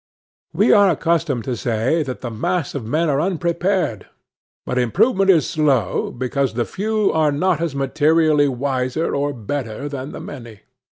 We are accustomed to say, that the mass of men are unprepared; but improvement is slow, because the few are not materially wiser or better than the many.